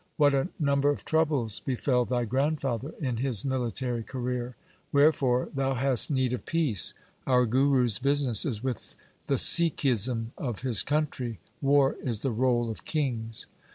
What a number of troubles befell thy grandfather in his military career ! Wherefore thou hast need of peace. Our Guru's business is with the Sikhism of his country ; war is the role of kings.'